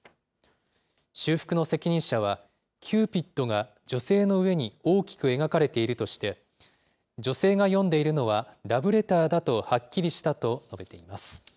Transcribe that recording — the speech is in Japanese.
修復の責任者は、キューピッドが女性の上に大きく描かれているとして、女性が読んでいるのは、ラブレターだとはっきりしたと述べています。